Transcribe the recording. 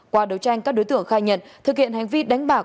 qua đấu tranh các đối tượng khai nhận thực hiện hành vi đánh bạc